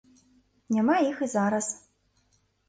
Няма іх і зараз.